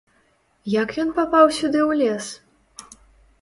Як ён папаў сюды ў лес?